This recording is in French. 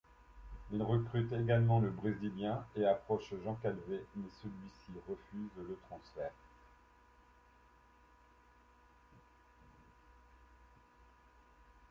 Il recrute également le brésilien et approche Jean Calvé mais celui-ci refuse le transfert.